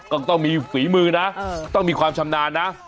ก็ต้องมีฝีมือนะต้องมีความชำนาญนะ